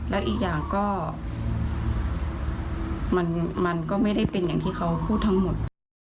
แล้วอีกอย่างก็มันก็ไม่ได้เป็นอย่างที่เขาพูดทั้งหมด